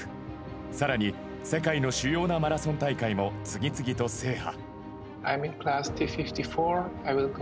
さらに世界の主要なマラソン大会も次々と制覇。